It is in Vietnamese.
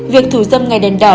việc thủ dâm ngày đèn đỏ